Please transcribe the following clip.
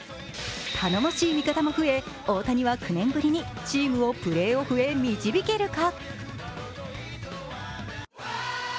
頼もしい味方も増え、大谷は９年ぶりにチームをプレーオフへ導けるか。